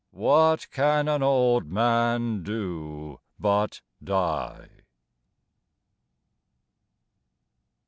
What can an old man do but die?